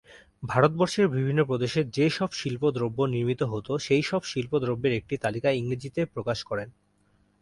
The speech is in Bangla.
ভারতবর্ষের বিভিন্ন প্রদেশে যে সব শিল্প দ্রব্য নির্মিত হত সেই সব শিল্প দ্রব্যের একটি তালিকা ইংরাজীতে প্রকাশ করেন।